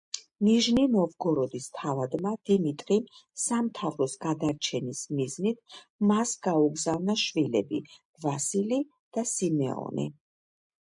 ნიჟნი-ნოვგოროდის თავადმა დიმიტრიმ სამთავროს გადარჩენის მიზნით მას გაუგზავნა შვილები ვასილი და სიმეონი.